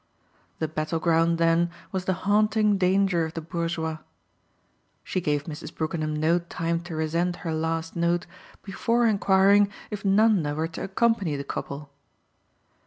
The battle ground then was the haunting danger of the bourgeois. She gave Mrs. Brookenham no time to resent her last note before enquiring if Nanda were to accompany the couple.